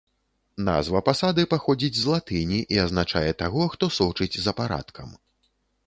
Назва пасады паходзіць з латыні і азначае таго, хто сочыць за парадкам.